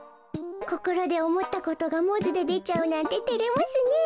こころでおもったことがもじででちゃうなんててれますねえ。